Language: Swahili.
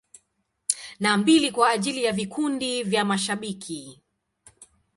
Na mbili kwa ajili ya vikundi vya mashabiki.